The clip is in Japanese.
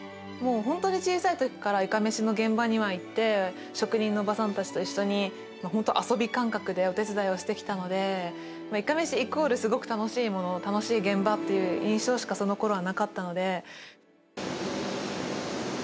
もう本当に、小さいときからいかめしの現場にはいって、職人のおばさんたちと一緒に本当、遊び感覚でお手伝いをしてきたので、いかめしイコールすごく楽しいもの、楽しい現場っていう印象しかそのころはなかったので。